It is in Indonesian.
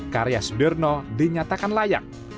karya sudirno dinyatakan layak